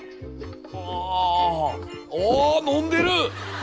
ああ飲んでる。